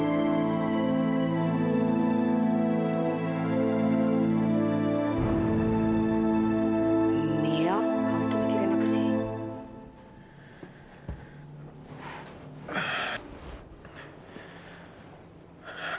niel kamu tuh mikirin apa sih